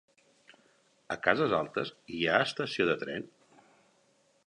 A Cases Altes hi ha estació de tren?